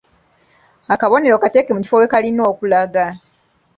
Akabonero kateeke mu kifo we kalina okulaga.